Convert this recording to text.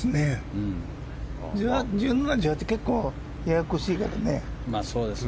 １７、１８って結構ややこしいけどね。